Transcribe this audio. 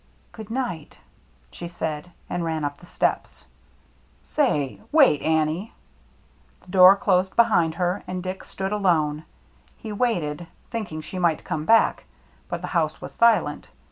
"Good night," she said, and ran up the steps. " Say — wait, Annie —" The door closed behind her, and Dick stood alone. He waited, thinking she might come back, but the house was silent.